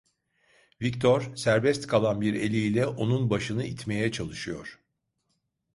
Viktor serbest kalan bir eliyle onun başını itmeye çalışıyor.